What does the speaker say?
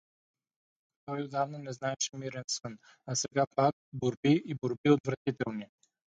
Той отдавна не знаеше мирен сън… А сега пак борби и борби отвратителни!